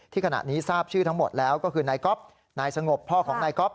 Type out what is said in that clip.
ขณะนี้ทราบชื่อทั้งหมดแล้วก็คือนายก๊อฟนายสงบพ่อของนายก๊อฟ